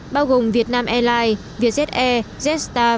bao gồm việt nam airlines vietjet air jetstar